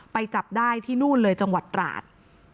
จับได้ที่นู่นเลยจังหวัดตราด